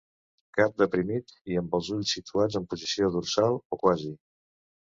Cap deprimit i amb els ulls situats en posició dorsal o quasi.